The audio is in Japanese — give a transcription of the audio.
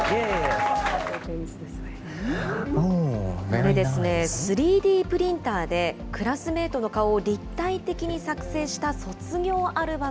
これですね、３Ｄプリンターでクラスメートの顔を立体的に作成した卒業アルバ